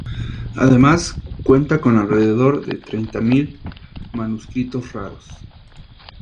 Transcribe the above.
Además, cuenta con alrededor de treinta mil manuscritos raros.